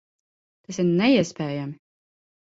Tas ir neiespējami!